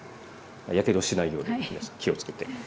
やけどしないように皆さん気をつけて。